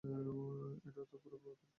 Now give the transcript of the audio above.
এটা পুরো তোর প্লান ছিল।